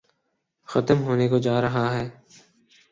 ختم ہونے کوجارہاہے۔